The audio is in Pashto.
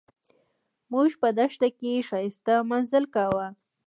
موږ په دښته کې ښایسته مزل کاوه.